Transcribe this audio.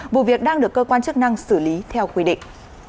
vụ việc đang được cơ quan chức năng xử lý theo quy định